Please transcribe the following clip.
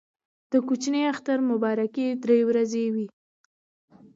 د کوچني اختر مبارکي درې ورځې وي.